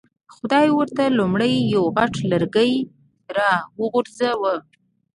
خدای ورته لومړی یو غټ لرګی را وغورځاوه.